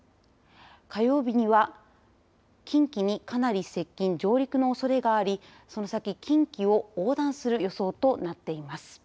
火曜日には近畿に、かなり接近上陸のおそれがありその先、近畿を横断する予想となっています。